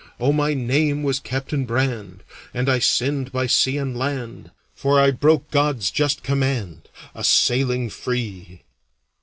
Oh, my name was Captain Brand, And I sinned by sea and land, For I broke God's just command, A sailing free.